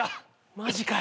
マジかよ。